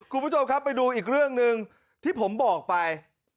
คุณผู้ชมครับไปดูอีกเรื่องหนึ่งที่ผมบอกไป